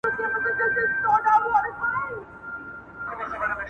اوس به څوك له قلندره سره ژاړي-